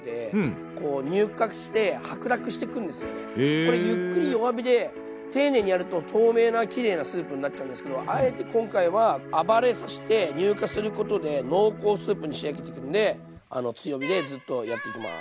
これゆっくり弱火で丁寧にやると透明なきれいなスープになっちゃうんですけどあえて今回は暴れさして乳化することで濃厚スープに仕上げていくんで強火でずっとやっていきます。